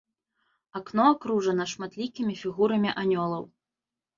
Акно акружана шматлікімі фігурамі анёлаў.